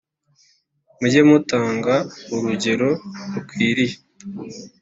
mujye mutanga urugero rukwiriye